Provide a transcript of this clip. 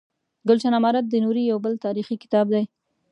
ګلشن امارت د نوري یو بل تاریخي کتاب دی.